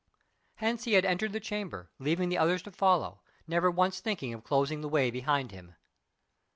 Hence he had entered the chamber, leaving the others to follow, never once thinking of closing the way behind him.